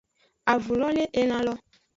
Avu lo le elan lo.